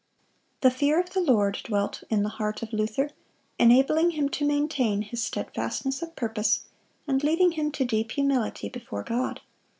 The fear of the Lord dwelt in the heart of Luther, enabling him to maintain his steadfastness of purpose, and leading him to deep humility before God.